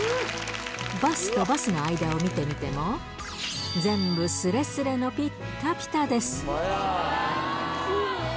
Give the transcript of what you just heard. バスとバスの間を見てみても、全部すれすれのぴったぴたです。